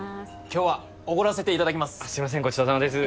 今日はおごらせていただきます